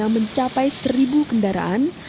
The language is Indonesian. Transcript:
mencapai seribu kendaraan